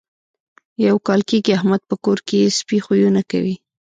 یو کال کېږي احمد په کور کې سپي خویونه کوي.